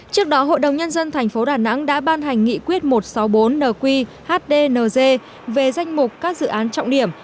trước đó hội đồng nhân dân thành phố đà nẵng đã ban hành nghị quyết một trăm sáu mươi bốn nqhdnz về danh mục các dự án trọng điểm